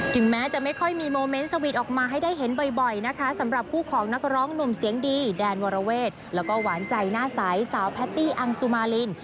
แม้จะไม่ค่อยมีโมเมนต์สวีทออกมาให้ได้เห็นบ่อยนะคะสำหรับคู่ของนักร้องหนุ่มเสียงดีแดนวรเวทแล้วก็หวานใจหน้าใสสาวแพตตี้อังสุมาริน